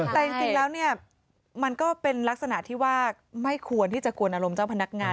แต่จริงแล้วเนี่ยมันก็เป็นลักษณะที่ว่าไม่ควรที่จะกวนอารมณ์เจ้าพนักงาน